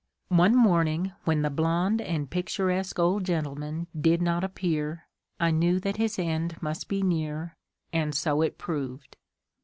One morning when the blond and picturesque old gentleman did not appear, I knew that his end must be near, and so it proved.